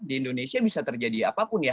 di indonesia bisa terjadi apapun ya